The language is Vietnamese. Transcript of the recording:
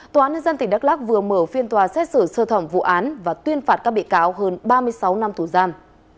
tòa án nhân dân tỉnh đắk lắc vừa mở phiên tòa xét xử sơ thẩm vụ án và tuyên phạt các bị cáo hơn ba mươi sáu năm tù giam